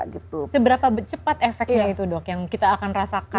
seberapa cepat efeknya itu dok yang kita akan rasakan